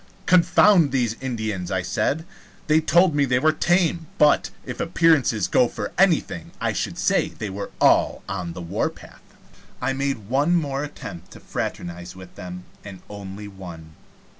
"Confound these Indians!" I said. "They told me they were tame; but, if appearances go for anything, I should say they were all on the warpath." I made one more attempt to fraternize with them, and only one.